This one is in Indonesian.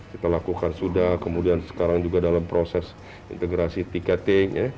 kita lakukan sudah kemudian sekarang juga dalam proses integrasi tiketing